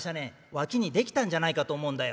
わきに出来たんじゃないかと思うんだよ」。